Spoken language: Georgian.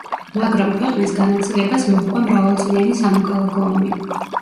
მაგრამ ქვეყნის განაწილებას მოჰყვა მრავალწლიანი სამოქალაქო ომი.